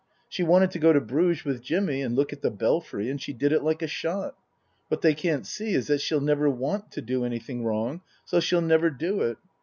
She wanted to go to Bruges with Jimmy and look at the Belfry, and she did it like a shot. What they can't see is that she'll never want to do anything wrong, so she'll never do it.